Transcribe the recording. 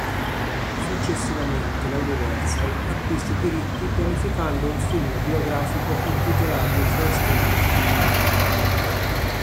Successivamente la Universal acquista i diritti pianificando un film biografico intitolato "First Man".